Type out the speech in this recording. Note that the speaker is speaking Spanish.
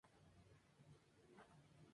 La novela aborda multitud de temas.